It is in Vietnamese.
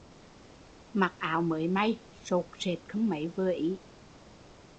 Mặc áo mới may, sột sệt không mấy vừa ý